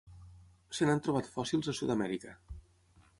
Se n'han trobat fòssils a Sud-amèrica.